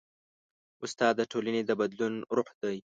استاد د ټولنې د بدلون روح دی.